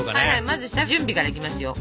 まず下準備からいきますよ。